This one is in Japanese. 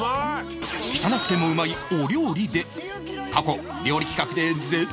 汚くてもうまい汚料理で過去料理企画で全勝！